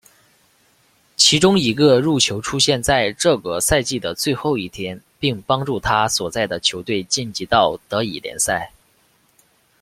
其中一个入球出现在这个赛季的最后一天并帮助他所在的球队晋级到德乙联赛。